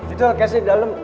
itu lkasnya di dalam